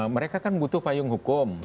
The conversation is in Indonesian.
mereka kan butuh payung hukum